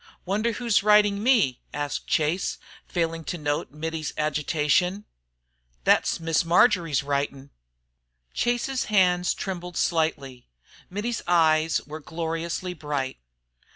"Wonder who's writing me?" asked Chase, failing to note Mittie's agitation. "Thet's Miss Marjory's writin'." Chase's hands trembled slightly. Mittie's eyes were gloriously bright.